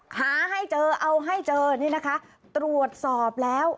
หาให้เจอเอาให้เจอนี่นะคะตรวจสอบแล้ว